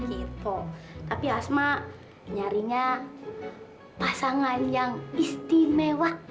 gitu tapi asma nyarinya pasangan yang istimewa